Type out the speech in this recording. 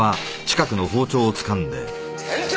店長！